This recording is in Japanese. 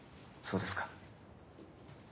そうですか。